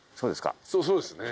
そうですか？